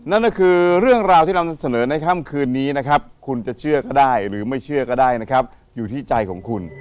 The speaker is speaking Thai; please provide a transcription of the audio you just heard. นั่นก็คือเรื่องราวที่เรานำเสนอในค่ำคืนนี้นะครับคุณจะเชื่อก็ได้หรือไม่เชื่อก็ได้นะครับอยู่ที่ใจของคุณ